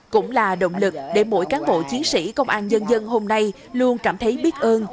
cũng là động lực để mỗi cán bộ chiến sĩ công an dân dân hôm nay luôn cảm thấy biết ơn